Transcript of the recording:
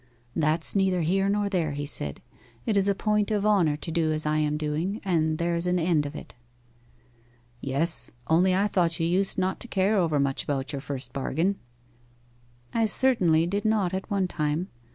'That's neither here nor there,' he said; 'it is a point of honour to do as I am doing, and there's an end of it.' 'Yes. Only I thought you used not to care overmuch about your first bargain.' 'I certainly did not at one time.